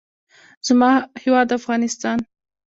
زما هېواد افغانستان.